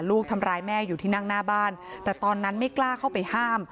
ลูกทำร้ายแม่อยู่ที่นั่งหน้าบ้านแต่ตอนนั้นไม่กล้าเข้าไปห้าม